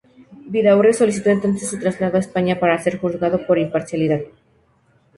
Vidaurre solicitó entonces su traslado a España para ser juzgado con imparcialidad.